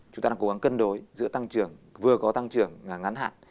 chúng ta đang cố gắng cân đối giữa tăng trưởng vừa có tăng trưởng ngắn hạn